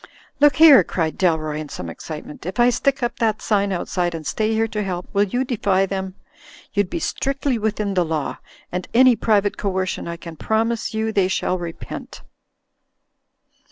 "Look here!" cried Dalroy, in some excitement, "if I stick up that sign outside, and stay here to help, will you defy them? You'd be strictly within the law, and any private coercion I can promise you they shall repent.